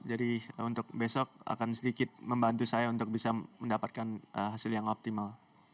jadi untuk besok akan sedikit membantu saya untuk bisa mendapatkan hasil yang optimal